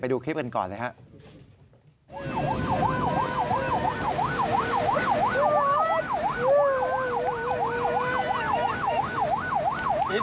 ดูคลิปกันก่อนเลยครับ